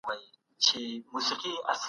په اوړي کې سپک کالي غوره دي.